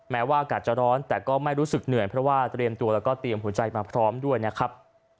แม้ว่าอากาศจะร้อนแต่ก็ไม่รู้สึกเหนื่อยเพราะว่าเตรียมตัวแล้วก็เตรียมหัวใจมาพร้อมด้วยนะครับ